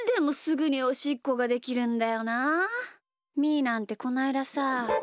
ーなんてこないださ。